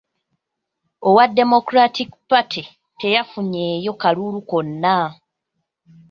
Owa Democratic Party teyafunyeewo kalulu konna.